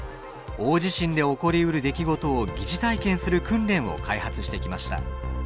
大地震で起こりうる出来事を疑似体験する訓練を開発してきました。